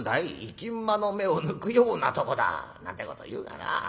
『生き馬の目を抜くようなとこだ』なんてこと言うがな。